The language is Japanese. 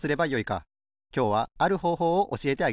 きょうはあるほうほうをおしえてあげよう。